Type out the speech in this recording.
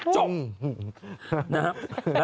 จบ